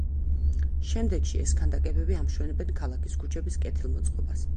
შემდეგში ეს ქანდაკებები ამშვენებენ ქალაქის ქუჩების კეთილმოწყობას.